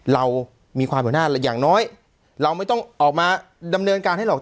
เรามีความหัวหน้าอย่างน้อยเราไม่ต้องออกมาดำเนินการให้หรอก